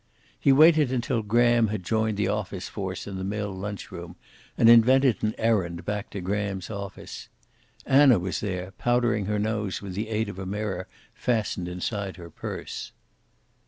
He waited until Graham had joined the office force in the mill lunchroom, and invented an errand back to Graham's office. Anna was there, powdering her nose with the aid of a mirror fastened inside her purse.